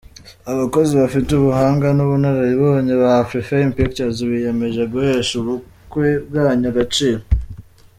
Abakozi bafite ubuhanga n'ubunararibonye ba Afrifame Pictures biyemeje guhesha ubukwe bwanyu agaciro,.